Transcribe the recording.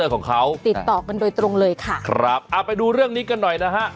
ของเขาติดต่อกันโดยตรงเลยค่ะครับอ่าไปดูเรื่องนี้กันหน่อยนะฮะ